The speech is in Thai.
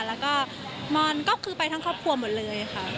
แล้วก็มอนก็คือไปทั้งครอบครัวหมดเลยค่ะ